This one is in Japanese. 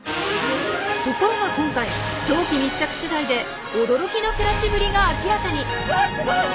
ところが今回長期密着取材で驚きの暮らしぶりが明らかに！わすごい！